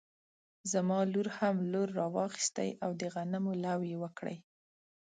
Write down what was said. زما لور هم لور راواخيستی او د غنمو لو يې وکړی